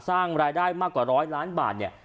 สร้างรายได้มากกว่าร้อยล้านบาทเนี่ย